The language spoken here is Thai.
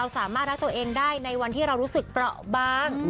สามารถรักตัวเองได้ในวันที่เรารู้สึกเปราะบาง